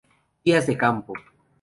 Días de Campo.